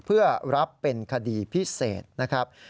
เพื่อรับเป็นคดีพิเศษนะครับ